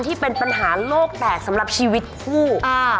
ที่เป็นปัญหาโลกแตกสำหรับชีวิตคู่